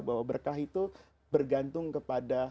bahwa berkah itu bergantung kepada